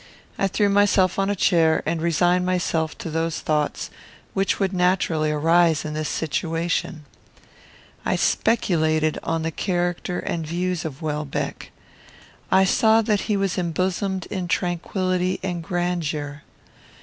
I threw myself on a chair and resigned myself to those thoughts which would naturally arise in this situation. I speculated on the character and views of Welbeck. I saw that he was embosomed in tranquillity and grandeur.